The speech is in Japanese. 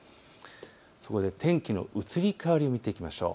そこで天気の移り変わりを見ていきましょう。